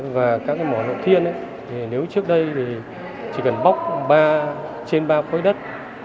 và các cái mỏ lận thiên nếu trước đây thì chỉ cần bóc trên ba khối đất